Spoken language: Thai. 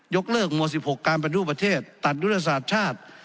ยกเลิกม๑๖การประดูกประเทศตัดยุทธศาสตร์ชาติ